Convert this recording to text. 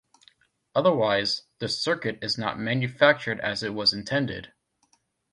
Otherwise, the circuit is not manufactured as it was intended.